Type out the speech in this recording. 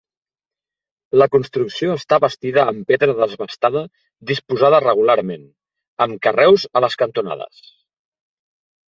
La construcció està bastida amb pedra desbastada disposada regularment, amb carreus a les cantonades.